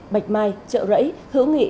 bạch mai trợ rẫy hữu nghị